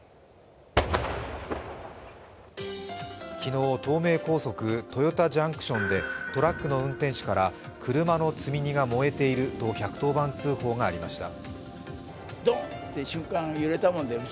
昨日、東名高速・豊田ジャンクションでトラックの運転手から車の積み荷が燃えていると１１０番通報がありました。